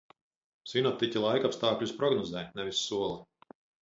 Sinoptiķi laikapstākļus prognozē, nevis sola.